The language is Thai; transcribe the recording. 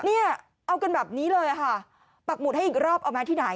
เนี่ยเอากันแบบนี้เลยค่ะปักหมุดให้อีกรอบเอามาที่ไหน